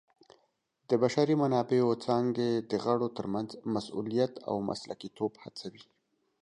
د بشري منابعو څانګې د غړو ترمنځ مسؤلیت او مسلکیتوب هڅوي.